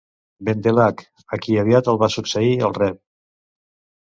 Bendelack, a qui aviat el va succeir el Rev.